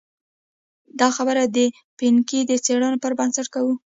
دا خبره د پینکني د څېړنو پر بنسټ کوو.